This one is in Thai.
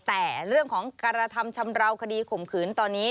แต่เรื่องของการกระทำชำราวคดีข่มขืนตอนนี้